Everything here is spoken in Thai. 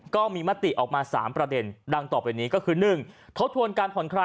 ก็มีมติออกมา๓ประเด็นดังต่อไปนี้ก็คือ๑ทบทวนการผ่อนคลาย